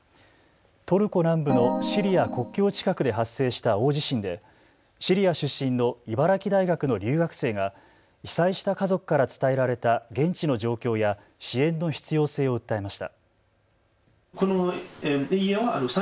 トルコ南部のシリア国境近くで発生した大地震で、シリア出身の茨城大学の留学生が被災した家族から伝えられた現地の状況や支援の必要性を訴えました。